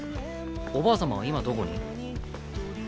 おばあ様は今どこに？